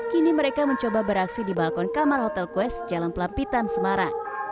kini mereka mencoba beraksi di balkon kamar hotel quest jalan pelampitan semarang